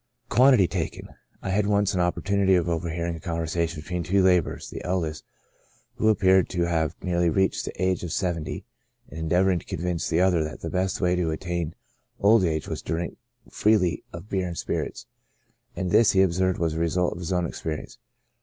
Quantity taken. — I had once an opportunity of overhear ing a conversation between two laborers, the eldest, who appeared to have nearly reached the age of seventy, en deavoring to convince the other that the best way to attain old age was to drink freely of beer and spirits ; and this, he observed, was the result of his own experience.